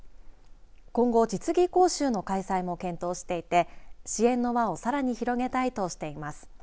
今後、実技講習の開催も検討していて支援の輪をさらに広げたいとしています。